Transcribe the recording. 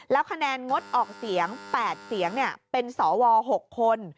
แล้วคะแนนงดออกเสียง๘เสียงเป็นสว๖คน